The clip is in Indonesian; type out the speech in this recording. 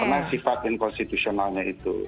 karena sifat inkonstitusionalnya itu